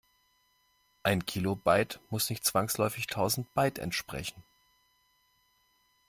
Ein Kilobyte muss nicht zwangsläufig tausend Byte entsprechen.